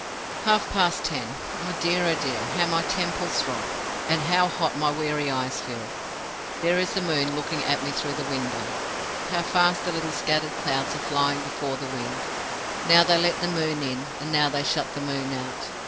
"Half past ten. Oh, dear! oh, dear! how my temples throb, and how hot my weary eyes feel! There is the moon looking at me through the window. How fast the little scattered clouds are flying before the wind! Now they let the moon in; and now they shut the moon out.